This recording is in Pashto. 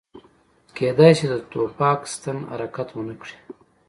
کیدای شي د ټوپک ستن حرکت ونه کړي